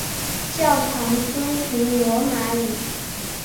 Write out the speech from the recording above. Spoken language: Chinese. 教堂遵循罗马礼。